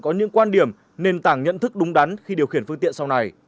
có những quan điểm nền tảng nhận thức đúng đắn khi điều khiển phương tiện sau này